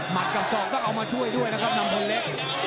หมัดกับสองต้องเอามาช่วยด้วยนะครับทั้งคนเล็ก